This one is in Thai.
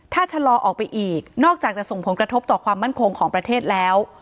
ถ้าชะลอออกไปอีกนอกจากจะส่งผลกระทบต่อความมั่นคงของประเทศแล้ว